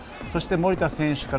そして、遠藤選手